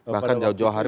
bahkan jawa jawa hari